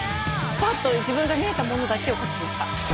パッと自分が見えたものだけを書きました。